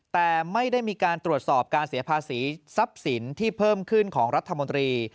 แต่ไม่ได้มีการตรวจสอบการเสียภาษีทรัพย์สินที่เพิ่มขึ้นของรัฐมนตรี